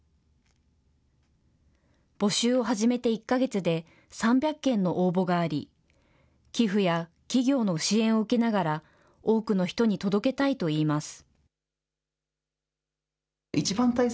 募集を始めて１か月で、３００件の応募があり、寄付や企業の支援を受けながら、多くの人に届けたいといいます。